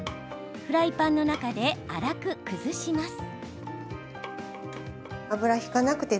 フライパンの中で粗く崩します。